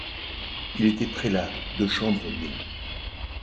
Il était prélat de chambre, né.